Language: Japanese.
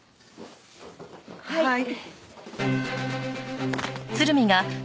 はい。